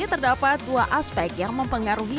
terdapat dua aspek yang mempengaruhi